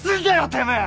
てめえ！